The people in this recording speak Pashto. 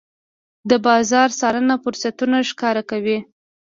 د بازار څارنه فرصتونه ښکاره کوي.